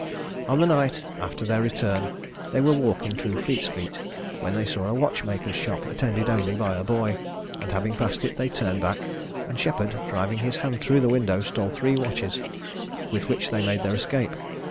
On the night after their return, they were walking through Fleet street, when they saw a watchmaker's shop attended only by a boy, and having passed it, they turned back, and Sheppard, driving his hand through the window, stole three watches, with which they made their escape.